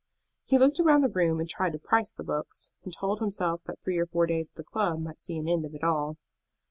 He looked round the room and tried to price the books, and told himself that three or four days at the club might see an end of it all.